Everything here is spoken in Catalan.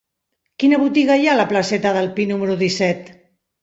Quina botiga hi ha a la placeta del Pi número disset?